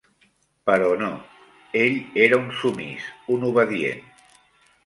Però no, ell era un sumís, un obedient